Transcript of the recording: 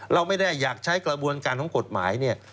เราไม่ได้อยากใช้กระบวนการของกฎหมายเนี่ย